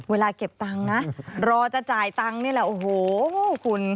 เวลาเก็บทางน่ะรอจะจ่ายทางนี้แหละโอ้โหคุณ